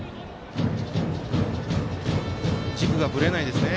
軸がぶれないですね。